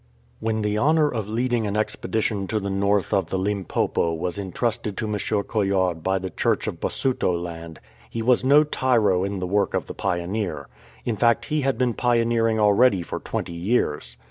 When the honour of leading an expedition to the north of the Limpopo was entrusted to M. Coillard by the Church of Basutoland, he was no tyro in the work of the pioneer. In fact he had been pioneering already for twenty years.